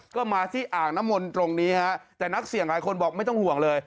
ก็มาที่อ่างน้ำมนต์ตรงนี้ฮะแต่นักเสี่ยงหลายคนบอกไม่ต้องห่วงเลย